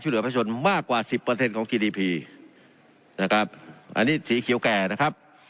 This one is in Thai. เหลือประชาชนมากกว่าสิบเปอร์เซ็นต์ของกีดีพีนะครับอันนี้สีเขียวแก่นะครับ